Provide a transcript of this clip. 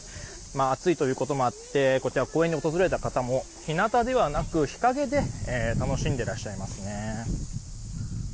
暑いということもあって公園に訪れた方も日なたではなく日陰で楽しんでらっしゃいますね。